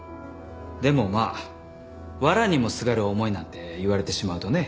でもまあ藁にもすがる思いなんて言われてしまうとね